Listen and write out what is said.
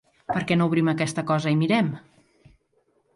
Per què no obrim aquesta cosa i mirem?